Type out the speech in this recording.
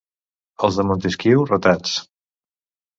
Els de Montesquiu, ratats.